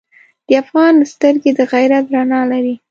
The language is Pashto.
د افغان سترګې د غیرت رڼا لري.